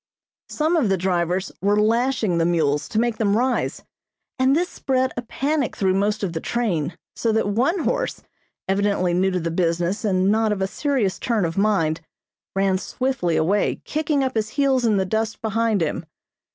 Some of the drivers were lashing the mules to make them rise, and this spread a panic through most of the train, so that one horse, evidently new to the business and not of a serious turn of mind, ran swiftly away, kicking up his heels in the dust behind him.